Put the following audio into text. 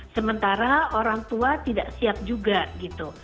sementara orang tua tidak siap juga gitu